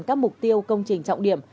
các mục tiêu công trình trọng điểm